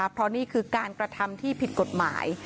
เพราะนี่คือการกระทำที่ผิดกฎหมาย